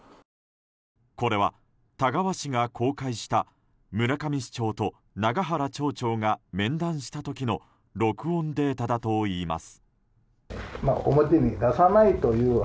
これは田川市が公開した村上市長と永原町長が面談した時の録音データだといいます。